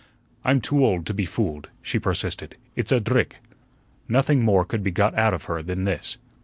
"I'm too old to be fooled," she persisted. "It's a drick." Nothing more could be got out of her than this.